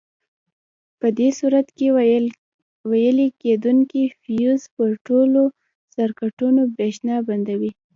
په دې صورت کې ویلې کېدونکي فیوز پر ټولو سرکټونو برېښنا بندوي.